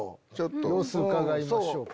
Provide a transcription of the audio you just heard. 様子伺いましょうか。